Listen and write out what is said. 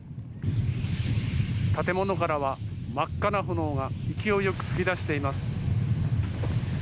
建物からは、真っ赤な炎が勢いよく噴き出しています。